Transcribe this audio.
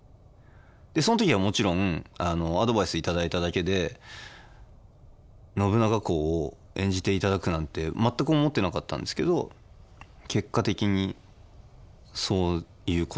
その時はもちろんアドバイス頂いただけで信長公を演じていただくなんて全く思ってなかったんですけど結果的にそういうことになりまして。